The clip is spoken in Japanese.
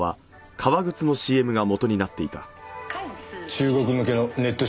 中国向けのネット